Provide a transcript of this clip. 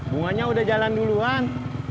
bunganya udah jalan duluan